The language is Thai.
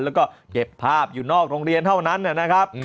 แล้วก็เก็บภาพอยู่นอกโรงเรียนเท่านั้นนะครับ